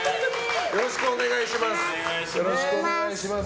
よろしくお願いします。